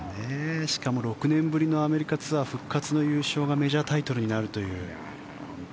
しかも６年ぶりのアメリカツアー復活の優勝がメジャータイトルになるという。